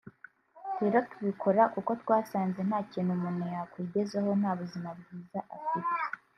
rero tubikora kuko twasanze nta kintu umuntu yakwigezaho nta buzima bwiza afite